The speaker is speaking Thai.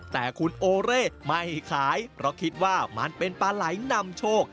แต่คุณโอเรศไม่ขายเพราะคิดว่ามันเป็นปลาไหลนำโชค